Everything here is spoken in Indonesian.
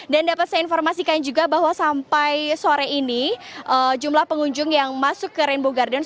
dapat saya informasikan juga bahwa sampai sore ini jumlah pengunjung yang masuk ke rainbow garden